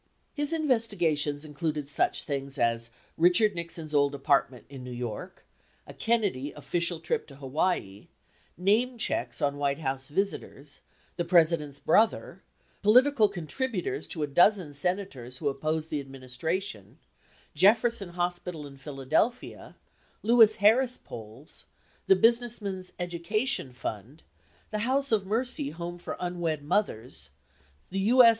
His investigations included such things as Richard Nixon's old apartment in New York, a Kennedy official trip to Hawaii, name checks on White House visitors, the President's brother, political contributors to a dozen Senators who opposed the administration, Jefferson Hospital in Philadelphia, Louis Harris Polls, the Businessmen's Education Fund, the House of Mercy home for unwed mothers, the U.S.